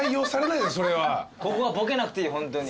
ここはボケなくていいホントに。